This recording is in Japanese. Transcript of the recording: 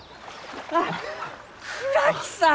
あ倉木さん！